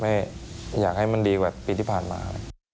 ไม่อยากให้มันดีกว่าปีที่ผ่านมา